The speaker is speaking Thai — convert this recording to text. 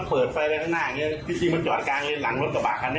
มันเปิดไฟแรงข้างหน้าอย่างเงี้ยที่จริงมันจอดกลางเรียนหลังรถกระบาดคันนี้